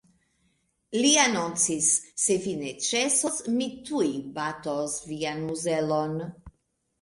Li anoncis; "Se vi ne ĉesos, mi tuj batos vian muzelon!".